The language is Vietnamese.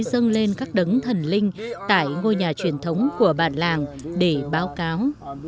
và đưa lên các đấng thần linh tại ngôi nhà truyền thống của bản làng để báo cáo